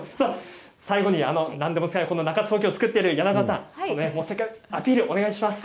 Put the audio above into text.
最後に何でも使える中津ほうきを作っている柳川さんアピールをお願いします。